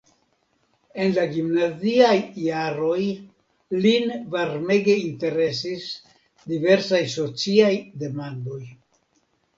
En la gimnaziaj jaroj lin varmege interesis diversaj sociaj demandoj.